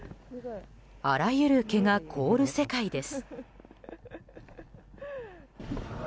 あらゆる毛が凍る世界です。